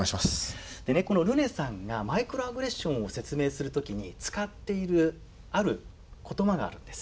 でねこのルネさんがマイクロアグレッションを説明する時に使っているある言葉があるんです。